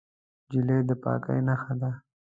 نجلۍ د پاکۍ نښه ده.